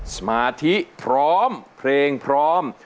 สมาธิพร้อมเพลงพร้อม